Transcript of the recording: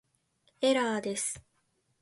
エラーです